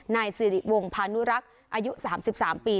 นายสิริวงพานุรักษ์อายุ๓๓ปี